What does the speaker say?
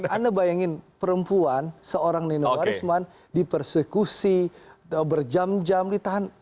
anda bayangkan perempuan seorang nenowarisman dipersekusi berjam jam ditahan